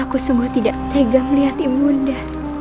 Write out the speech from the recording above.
aku sungguh tidak tega melihat ibu muda